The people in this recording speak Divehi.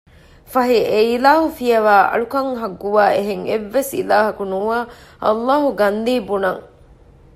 ފަހެ އެ އިލާހު ފިޔަވައި އަޅުކަން ޙައްޤުވާ އެހެން އެއްވެސް އިލާހަކު ނުވާ ﷲ ގަންދީ ބުނަން